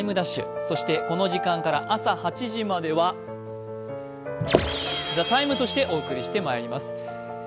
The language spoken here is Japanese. そしてこの時間から朝８時までは「ＴＨＥＴＩＭＥ’」としてお送りしてまいります。